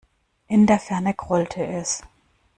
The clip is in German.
In der Ferne grollte es.